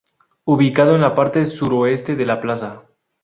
Ubicado en la parte suroeste de la Plaza.